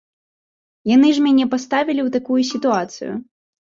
Яны ж мяне паставілі ў такую сітуацыю.